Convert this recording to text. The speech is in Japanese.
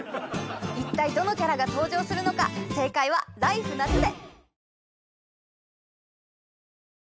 一体どのキャラが登場するのか正解は「ＬＩＦＥ！夏」で！